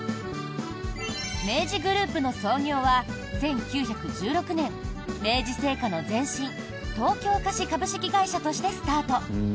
明治グループの創業は１９１６年明治製菓の前身東京菓子株式会社としてスタート。